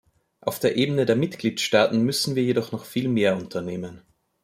Auf der Ebene der Mitgliedstaaten müssen wir jedoch noch viel mehr unternehmen.